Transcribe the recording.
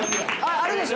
あるでしょ？